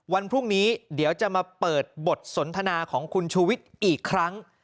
วันพรุ่งนี้เดี๋ยวจะมาเปิดบทสนทนาของคุณชูวิทย์อีกครั้ง